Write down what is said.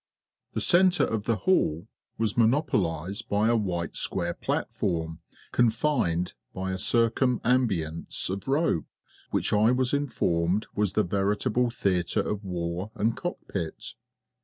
The centre of the hall was monopolised by a white square platform confined by a circumambience of rope, which I was informed was the veritable theatre of war and cockpit.